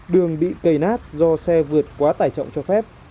đường bị cầy nát do xe vượt quá tải trọng cho phép